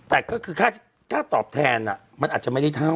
แต่ก็คือค่าตอบแทนมันอาจจะไม่ได้เท่า